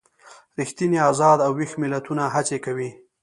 ریښتیني ازاد او ویښ ملتونه هڅې کوي.